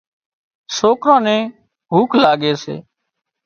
سوڪران نين ڀوک لاڳي سي